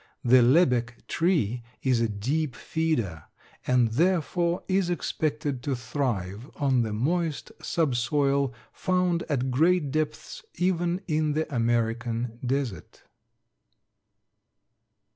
The lebbek tree is a deep feeder and therefore is expected to thrive on the moist subsoil found at great depths even in the American desert.